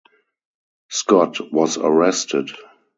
Scott was arrested.